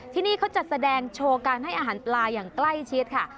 ที่นี่เขาจะแสดงโชว์การให้อาหารปลาอย่างใกล้ชิดค่ะ